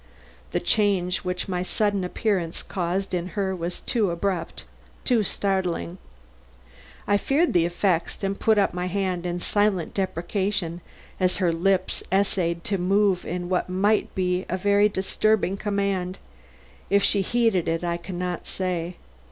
The change which my sudden appearance caused in her was too abrupt; too startling. I feared the effects, and put up my hand in silent deprecation as her lips essayed to move in what might be some very disturbing command. If she heeded it I can not say.